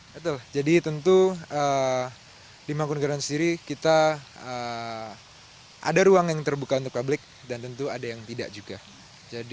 betul jadi tentu di mangkunagaran sendiri kita ada ruang yang terbuka untuk publik dan tentu ada yang tidak juga